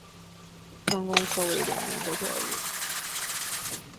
专攻科为两年的教育。